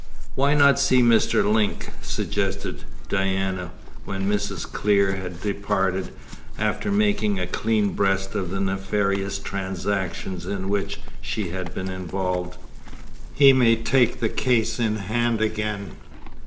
"Why not see Mr. Link?" suggested Diana, when Mrs. Clear had departed, after making a clean breast of the nefarious transactions in which she had been involved. "He may take the case in hand again."